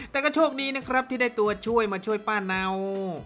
แต่ก็โชคดีนะครับที่ได้ตัวช่วยมาช่วยป้าเนา